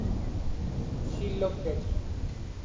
She loved that.